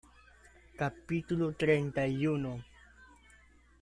capítulo treinta y uno.